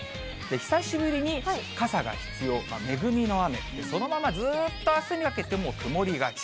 久しぶりに傘が必要、恵みの雨、そのままずっとあすにかけても曇りがち。